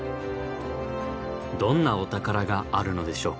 どんなお宝があるのでしょうか？